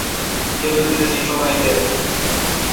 گیبل تسے چوݨاگیل ۔